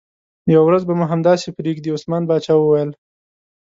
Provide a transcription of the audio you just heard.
یوه ورځ به مو همداسې پرېږدي، عثمان باچا وویل.